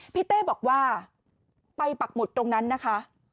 เต้บอกว่าไปปักหมุดตรงนั้นนะคะ